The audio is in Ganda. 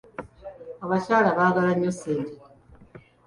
Abakyala baagala nnyo ssente.